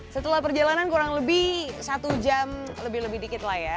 setelah perjalanan kurang lebih satu jam lebih lebih dikit lah ya